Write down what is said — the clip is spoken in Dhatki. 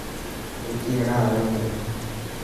وڪي هيڻان آيو هي.